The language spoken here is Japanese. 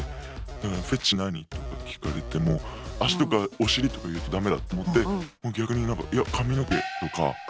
だから「フェチ何？」とか聞かれても足とかお尻とか言うと駄目だと思って逆になんか「いや髪の毛」とか。